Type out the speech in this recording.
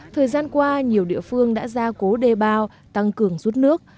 thời gian qua nhiều địa phương đã ra cố đề bao tăng cường rút nước